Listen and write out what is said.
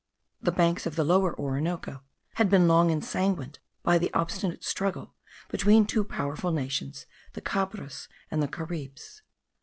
The banks of the Lower Orinoco had been long ensanguined by the obstinate struggle between two powerful nations, the Cabres and the Caribs.